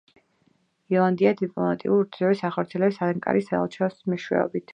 ირლანდია დიპლომატიურ ურთიერთობებს ახორციელებს ანკარის საელჩოს მეშვეობით.